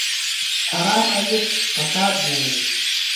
حرام عاید فساد زېږوي.